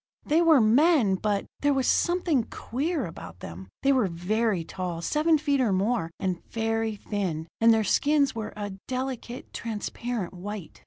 They were men but there was something queer about them. They were very tall seven feet or more and very thin; and their skins were a delicate, transparent white.